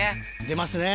出ますね